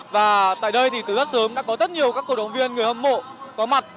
và tại đây thì từ rất sớm đã có rất nhiều các cổ động viên người hâm mộ có mặt